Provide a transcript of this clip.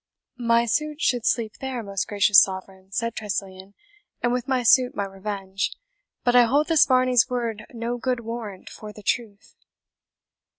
"My suit should sleep there, most gracious Sovereign," said Tressilian, "and with my suit my revenge. But I hold this Varney's word no good warrant for the truth."